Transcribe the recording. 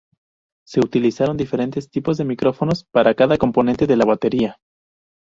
Se utilizaron diferentes tipos de micrófonos para cada componente de la batería.